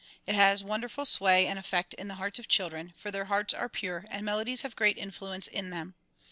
It has wonderful sway and effect in the hearts of children, for their hearts are pure and melodies have great influence in them.